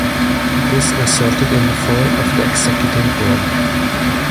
This resulted in the fall of the executive board.